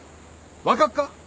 分かっか？